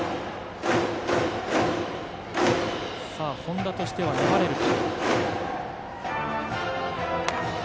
本田としては、粘れるか。